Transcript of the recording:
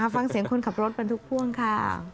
ฟังเสียงคนขับรถบรรทุกพ่วงค่ะ